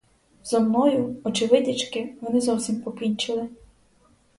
Зо мною, очевидячки, вони зовсім покінчили.